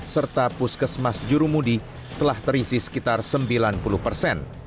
serta puskesmas jurumudi telah terisi sekitar sembilan puluh persen